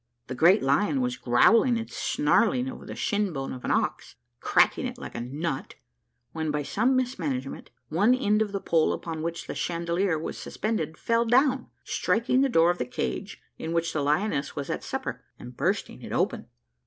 The great lion was growling and snarling over the shin bone of an ox, cracking it like a nut, when, by some mismanagement, one end of the pole upon which the chandelier was suspended fell down, striking the door of the cage in which the lioness was at supper, and bursting it open.